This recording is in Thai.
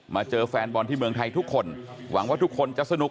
เจอแฟนบอลที่เมืองไทยทุกคนหวังว่าทุกคนจะสนุก